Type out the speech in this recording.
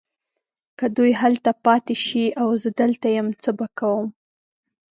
که دوی هلته پاته شي او زه دلته یم څه به کوم؟